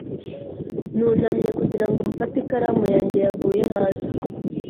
Nunamye kugira ngo mfate ikaramu yanjye yaguye hasi.